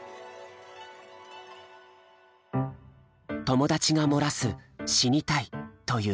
友達が漏らす「死にたい」という言葉。